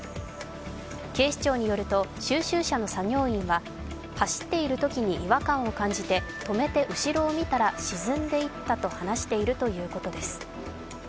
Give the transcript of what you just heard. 警視庁によると収集車の作業員は走っているときに違和感を感じて止めて後ろを見たら沈んでいったと話しているということです。